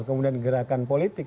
kemudian gerakan politik